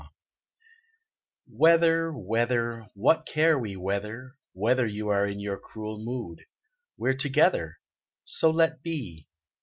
Weather W EATHER, weather, what care we Weather, whether You are in your cruel mood? We're together. So let be.